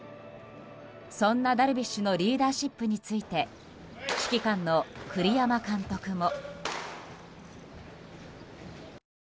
そんなダルビッシュのリーダーシップについて指揮官の栗山監督も。